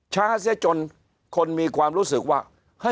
เสียจนคนมีความรู้สึกว่า